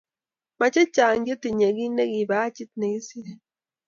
Mo che chang e tinyinekipajiit ne kiserei